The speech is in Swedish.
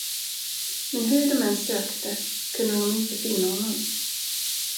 Men hur de än sökte, kunde de inte finna honom.